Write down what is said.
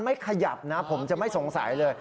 ไม่ขยับนะผมจะไม่สงสัยเลย